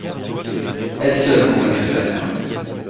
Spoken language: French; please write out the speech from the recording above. Elle seule convaincrait sa mère.